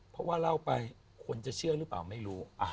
เพราะว่าเล่าไปคนจะเชื่อหรือเปล่าไม่รู้